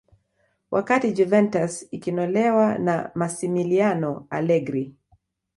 wakati juventus ikinolewa na masimiliano alegri